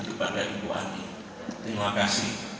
kepada ibu ani terima kasih